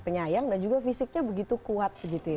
penyayang dan juga fisiknya begitu kuat begitu ya